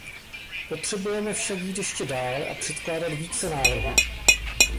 Potřebujeme však jít ještě dále a předkládat více návrhů.